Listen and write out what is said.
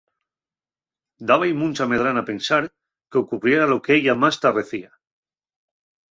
Dába-y muncha medrana pensar qu'ocurriera lo qu'ella más tarrecía.